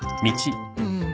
うん。